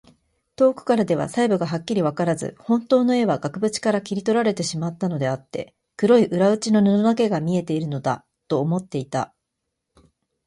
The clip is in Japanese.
遠くからでは細部がはっきりわからず、ほんとうの絵は額ぶちから取り去られてしまったのであって、黒い裏打ちの布だけが見えているのだ、と思っていた。